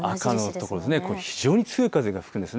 非常に強い風が吹くんです。